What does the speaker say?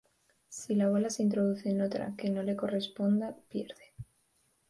Si la bola se introduce en otra que no le corresponda, pierde.